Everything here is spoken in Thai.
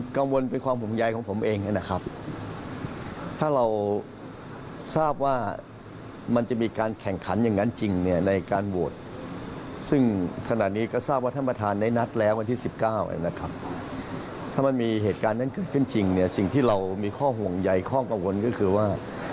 ข้อห่วงใหญ่ข้องกังวลก็คือว่า